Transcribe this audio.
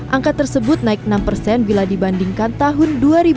angka tersebut naik enam persen bila dibandingkan tahun dua ribu dua puluh